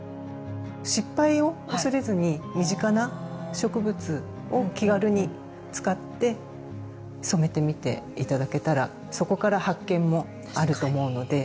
失敗を恐れずに身近な植物を気軽に使って染めてみて頂けたらそこから発見もあると思うので。